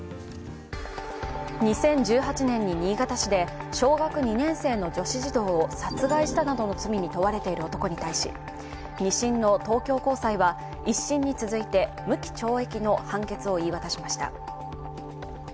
２０１８年に新潟市で小学２年生の女子児童を殺害したなどの罪に問われている男に対し２審の東京高裁は１審に続いて、無期懲役の判決を言い渡しました。